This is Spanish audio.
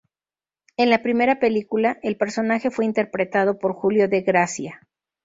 En la primera película, el personaje fue interpretado por Julio de Grazia.